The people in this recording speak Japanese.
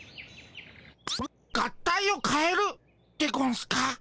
合体をかえるでゴンスか？